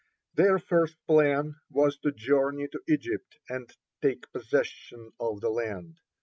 Their first plan was to journey to Egypt and take possession of the land.